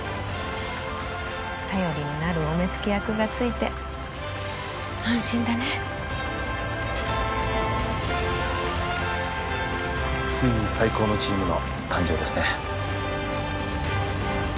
頼りになるお目付け役がついて安心だねついに最高のチームの誕生ですね